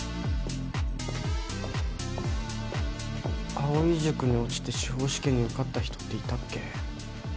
藍井塾に落ちて司法試験に受かった人っていたっけ？